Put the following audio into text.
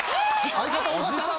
相方おばさん？